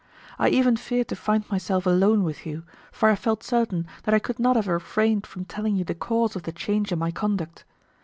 I even feared to find myself alone with you, for I felt certain that I could not have refrained from telling you the cause of the change in my conduct.